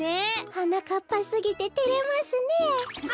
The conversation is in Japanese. はなかっぱすぎててれますねえ。